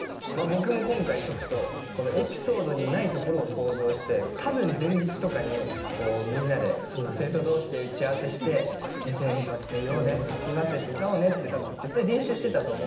僕も今回ちょっとエピソードにないところを想像して多分前日とかにみんなで生徒同士で打ち合わせして先生にこうやって言おうね「ハッピーバースデイ」って歌おうねって絶対練習してたと思うんですよ。